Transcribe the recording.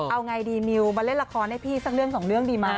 เอาไงดีมิวมาเล่นละครให้พี่สักเรื่องสองเรื่องดีไหม